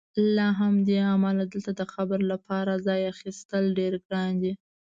له همدې امله دلته د قبر لپاره ځای اخیستل ډېر ګران دي.